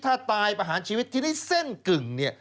ถ้าตายประหารชีวิตทีนี้เส้นกึ่งเนี่ย